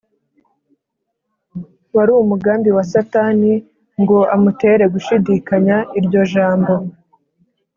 . Wari umugambi wa Satani ngo amutere gushidikanya iryo jambo.